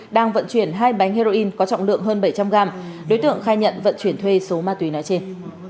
đang vận chuyển hai bánh heroin có trọng lượng hơn bảy trăm linh gram đối tượng khai nhận vận chuyển thuê số ma túy nói trên